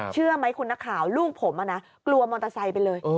เชื่อไหมคุณนักข่าวลูกผมกลัวมอเตอร์ไซค์ไปเลย